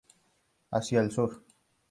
Hacia el sur.